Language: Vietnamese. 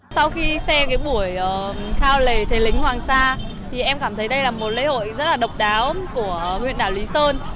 sau khi xem buổi khao lễ thế lính hoàng sa em cảm thấy đây là một lễ hội rất độc đáo của huyện đảo lý sơn